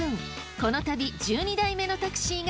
この旅１２台目のタクシーが到着。